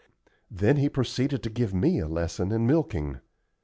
Then he proceeded to give me a lesson in milking.